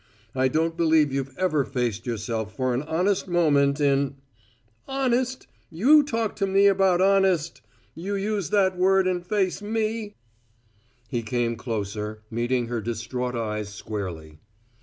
I don't believe you've ever faced yourself for an honest moment in " "Honest! you talk about `honest'! You use that word and face me?" He came closer, meeting her distraught eyes squarely.